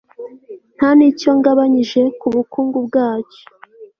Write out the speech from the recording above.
nta n'icyo ngabanyije ku bukungu bwacyo